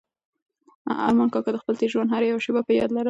ارمان کاکا د خپل تېر ژوند هره یوه شېبه په یاد لرله.